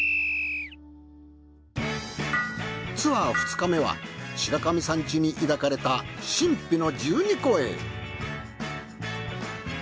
ツアー２日目は白神山地に抱かれた神秘の十二湖へ。